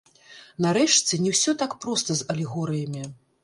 Нарэшце, не ўсё так проста з алегорыямі.